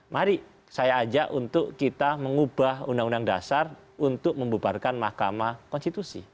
mari saya ajak untuk kita mengubah undang undang dasar untuk membubarkan mahkamah konstitusi